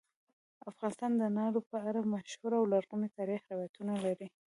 افغانستان د انارو په اړه مشهور او لرغوني تاریخی روایتونه لري.